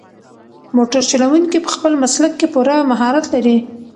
موټر چلونکی په خپل مسلک کې پوره مهارت لري.